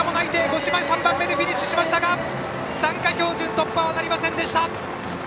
五島は３番目でフィニッシュしましたが参加標準突破はなりませんでした。